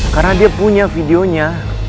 karena dia punya videonya